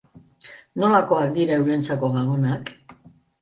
Nolakoak dira eurentzako gabonak?